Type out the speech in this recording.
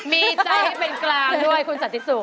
มีใจเป็นกลางด้วยคุณสามิสูร